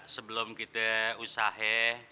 sebelum kita usahe